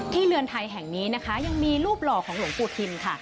เรือนไทยแห่งนี้นะคะยังมีรูปหล่อของหลวงปู่ทิมค่ะ